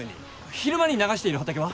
昼間に流している畑は？